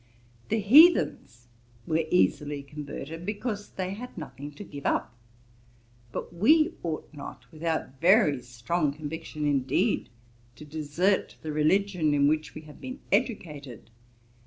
The heathens were easily converted, because they had nothing to give up; but we ought not, without very strong conviction indeed, to desert the religion in which we have been educated.